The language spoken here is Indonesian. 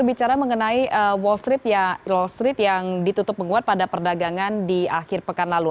bicara mengenai wall street wall street yang ditutup menguat pada perdagangan di akhir pekan lalu